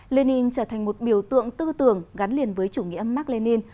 lenin trở thành một biểu tượng tư tưởng gắn liền với chủ nghĩa mark lenin